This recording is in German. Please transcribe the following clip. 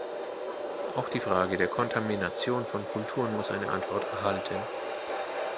Auch die Frage der Kontamination von Kulturen muss eine Antwort erhalten.